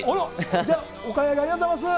じゃあ、買い上げありがとうございます。